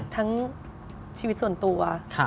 ทั้งชีวิตส่วนตัว